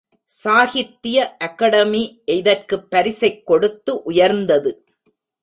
சாகித்திய academy, இதற்குப் பரிசைக் கொடுத்து உயர்ந்தது!